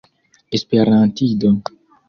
esperantido